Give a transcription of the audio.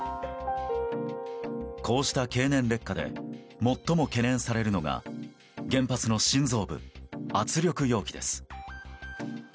こうした経年劣化で最も懸念されるのが原発の心臓部、圧力容器です。